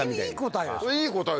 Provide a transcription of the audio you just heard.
いい答えです。